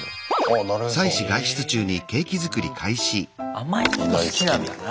甘いもの好きなんだな。